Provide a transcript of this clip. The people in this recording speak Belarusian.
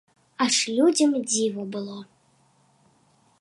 Аж людзям дзіва было.